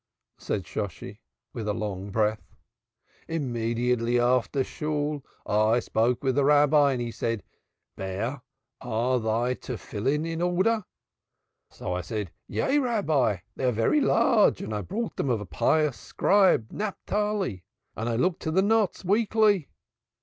said Shosshi, with a long breath. "Immediately after Shool I spake with the Rabbi and he said 'Bear, are thy Tephillin in order?' So I said 'Yea, Rabbi, they are very large and I bought them of the pious scribe, Naphtali, and I look to the knots weekly.'